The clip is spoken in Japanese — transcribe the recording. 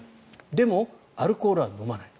でも、アルコールは飲まない。